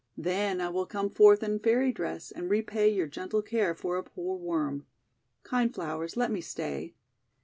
Then will I come forth in Fairy dress, and repay your gentle care for a poor Worm. Kind Flowers, let me stay!'